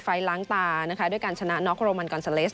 ไฟล้างตานะคะด้วยการชนะนอกบ์โรมันกอนเซเลนส์